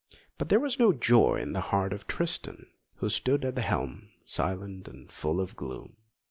But there was no joy in the heart of Tristan, who stood at the helm, silent and full of gloom.